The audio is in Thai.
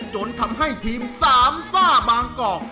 จนทำให้ทีมสามซ่าบางกอก